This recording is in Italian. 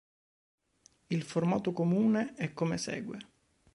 Il formato comune è come segue.